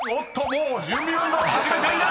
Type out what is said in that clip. もう準備運動を始めている！］